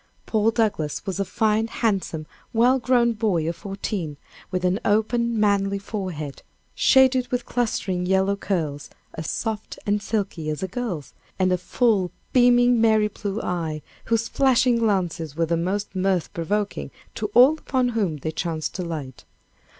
Paul Douglass was a fine, handsome, well grown boy of fourteen, with an open, manly forehead, shaded with clustering, yellow curls, as soft and silky as a girl's, and a full, beaming, merry blue eye, whose flashing glances were the most mirth provoking to all upon whom they chanced to light.